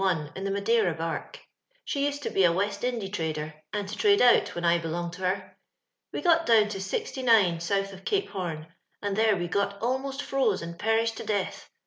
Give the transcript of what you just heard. in tho Madnra barque; she used to be a West Indy trader, and to trade oat when I belonged to her. We got down to (W soutli of Cape Horn ; and there we got almost froze and perished to death.